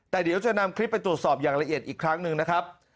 แต่เดี๋ยวจะนำคลิปไปตรวจสอบอย่างละเอียดอีกครั้งหนึ่งนะครับ